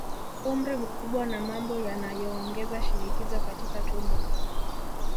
Umri mkubwa na mambo yanayoongeza shinikizo katika tumbo